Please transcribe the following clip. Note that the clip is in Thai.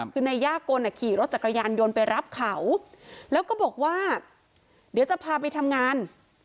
คือนายย่ากลขี่รถจักรยานยนต์ไปรับเขาแล้วก็บอกว่าเดี๋ยวจะพาไปทำงาน